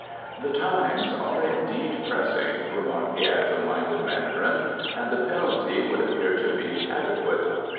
"The times are indeed pressing," remarked the agile minded Mandarin, "and the penalty would appear to be adequate."